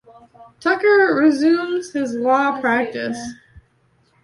Tucker resumed his law practice.